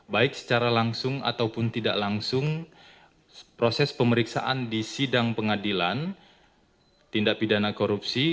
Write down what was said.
baik secara langsung ataupun tidak langsung proses pemeriksaan di sidang pengadilan tindak pidana korupsi